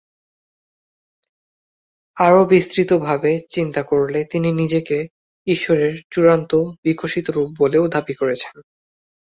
আরও বিস্তৃত ভাবে চিন্তা করলে তিনি নিজেকে ঈশ্বরের চূড়ান্ত বিকশিত রূপ বলেও দাবী করেছেন।